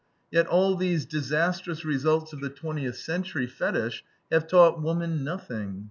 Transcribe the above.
Yet all these disastrous results of the twentieth century fetich have taught woman nothing.